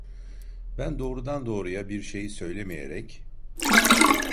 Ben doğrudan doğruya bir şey söylemeyerek: